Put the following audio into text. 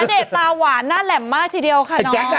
เดชตาหวานหน้าแหลมมากทีเดียวค่ะน้อง